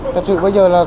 các sự bây giờ là khứa